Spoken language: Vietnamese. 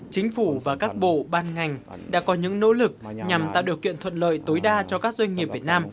chính phủ và các bộ ban ngành đã có những nỗ lực nhằm tạo điều kiện thuận lợi tối đa cho các doanh nghiệp việt nam